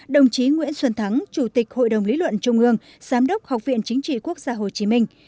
đồng chí nguyễn xuân thắng chủ tịch hội đồng lý luận trung ương giám đốc học viện chính trị quốc gia hồ chí minh